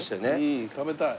うん食べたい。